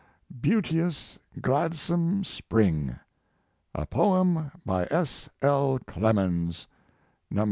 BEAUTIOUS, GLADSOME SPRING. A POEM BY S. L. CLEMENS. No.